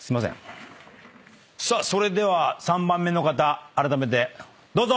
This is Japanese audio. さあそれでは３番目の方あらためてどうぞ！